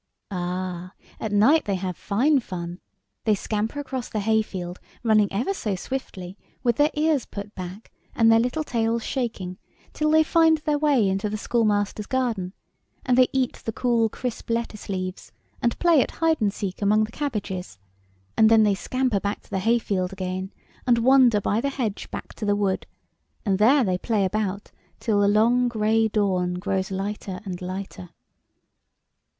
" Ah, at night they have fine fun. They scamper across the hayfield, running ever so swiftly, with their ears put back, and their little tails shaking, till they find their way into the schoolmaster's garden, and they eat the cool, crisp lettuce leaves, and play at hide and seek among the cabbages, and then they scamper to the hayfield again, and wander by the hedge back to the wood, and there they play about till the long gray dawn grows lighter and lighter."